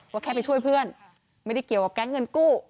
แค่ไปช่วยเพื่อนไม่ได้เกี่ยวกับแก๊งเงินกู้